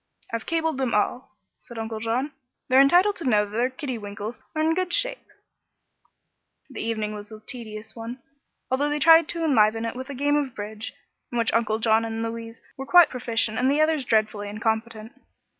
"I've cabled them all," said Uncle John. "They're entitled to know that their kidiwinkles are in good shape." The evening was a tedious one, although they tried to enliven it with a game of bridge, in which Uncle John and Louise were quite proficient and the others dreadfully incompetent.